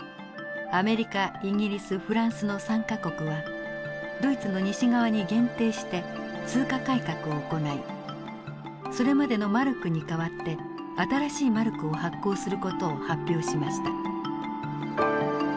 フランスの３か国はドイツの西側に限定して通貨改革を行いそれまでのマルクに替わって新しいマルクを発行する事を発表しました。